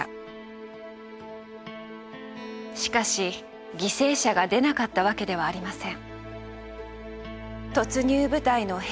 しかし犠牲者が出なかったわけではありません。